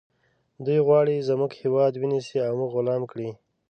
دوی غواړي زموږ هیواد ونیسي او موږ غلام کړي